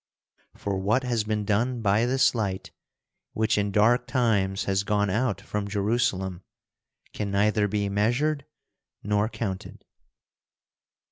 For what has been done by this light, which in dark times has gone out from Jerusalem, can neither be measured nor counted.